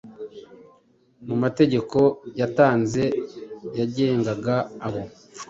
mu mategeko yatanze yagengaga abo